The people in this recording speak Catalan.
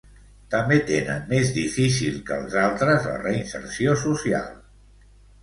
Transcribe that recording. També tenen més difícil que els altres la reinserció social.